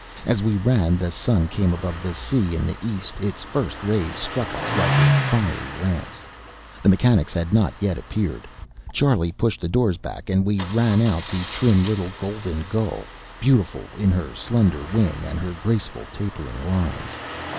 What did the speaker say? As we ran the sun came above the sea in the east: its first rays struck us like a fiery lance. The mechanics had not yet appeared. Charlie pushed the doors back, and we ran out the trim little Golden Gull, beautiful with her slender wing and her graceful, tapering lines.